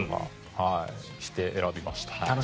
それで選びました。